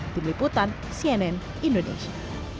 diliputan cnn indonesia